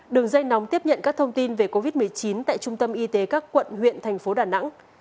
đường dây nóng tiếp nhận các thông tin về covid một mươi chín tại trung tâm y tế các quận huyện thành phố đà nẵng